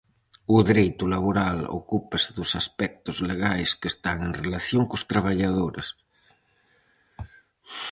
O dereito laboral ocúpase dos aspectos legais que están en relación cos traballadores.